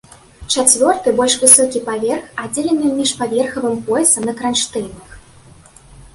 Чацвёрты, больш высокі паверх, аддзелены міжпаверхавым поясам на кранштэйнах.